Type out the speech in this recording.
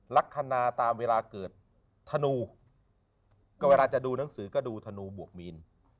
ลักษณะตามเวลาเกิดธนูก็เวลาจะดูหนังสือก็ดูธนูบวกมีน